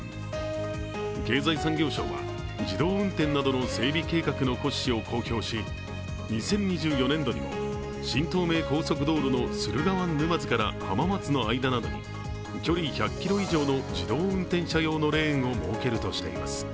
経済産業省は自動運転などの整備計画の骨子を公表し、２０２４年度にも新東名高速道路の駿河湾沼津から浜松の間などに距離１００ｋｍ以上の自動運転車用のレーンを設けるとしています。